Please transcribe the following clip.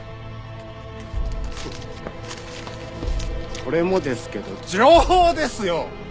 これもですけど情報ですよ！